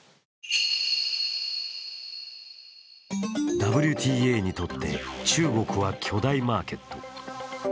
ＷＴＡにって中国は巨大マーケット。